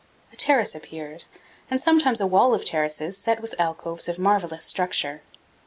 A terrace appears, and sometimes a wall of terraces set with alcoves of marvelous structure.